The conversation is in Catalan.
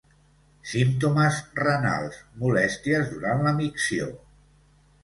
Símptomes renals: molèsties durant la micció.